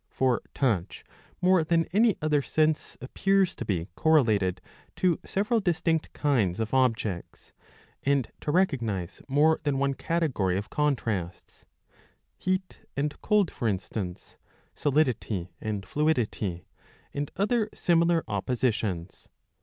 For touch more than any other sense appears to be correlated to several distinct kinds of objects, and to recognise more than one category of contrasts, heat and cold, for instance, solidity and fluidity, and other similar oppositions.